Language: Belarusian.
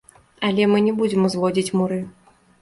Але мы не будзем узводзіць муры.